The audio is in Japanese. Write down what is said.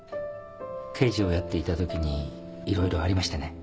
刑事をやっていたときに色々ありましてね。